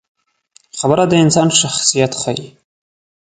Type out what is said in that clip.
خبره د انسان شخصیت ښيي.